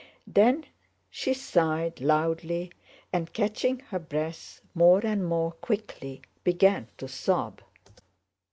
Then she sighed loudly and, catching her breath more and more quickly, began to sob.